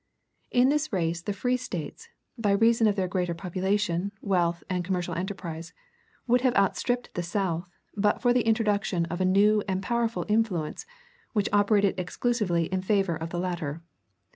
In this race the free States, by reason of their greater population, wealth, and commercial enterprise, would have outstripped the South but for the introduction of a new and powerful influence which operated exclusively in favor of the latter.